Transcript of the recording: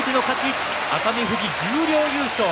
熱海富士、十両優勝。